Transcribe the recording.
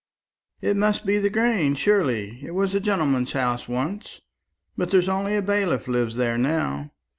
"It must be the Grange, surely. It was a gentleman's house once; but there's only a bailiff lives there now.